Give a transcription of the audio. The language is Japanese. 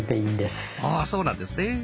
あそうなんですね。